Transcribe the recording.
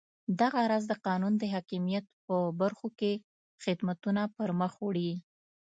دغه راز د قانون د حاکمیت په برخو کې خدمتونه پرمخ وړي.